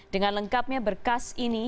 dengan lengkapnya berkas ini